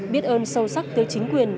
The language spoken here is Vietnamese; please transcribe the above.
biết ơn sâu sắc tới chính quyền